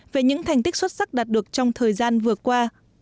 về những thành tích xuất sắc đạt được trong thời gian vừa qua